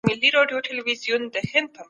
زړګی